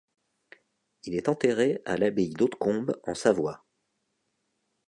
Il est enterré à l'abbaye d'Hautecombe en Savoie.